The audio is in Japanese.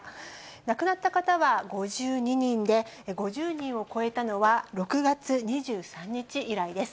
亡くなった方は５２人で、５０人を超えたのは６月２３日以来です。